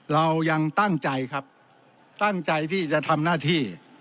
เรายังตั้งใจครับตั้งใจที่จะทำหน้าที่